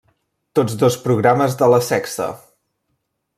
Tots dos programes de La Sexta.